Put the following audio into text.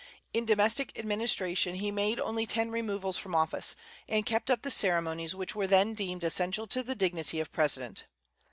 In domestic administration he made only ten removals from office, and kept up the ceremonies which were then deemed essential to the dignity of president.